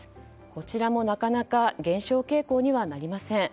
こちらもなかなか減少傾向にはなりません。